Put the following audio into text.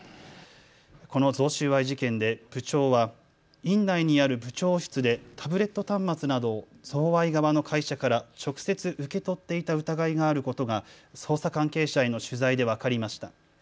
この贈収賄事件で部長は院内にある部長室でタブレット端末などを贈賄側の会社から直接受け取っていた疑いがあることが捜査関係者への取材で分かりました。